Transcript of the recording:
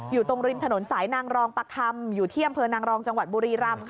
อยู่ตรงริมถนนสายนางรองประคำอยู่ที่อำเภอนางรองจังหวัดบุรีรำ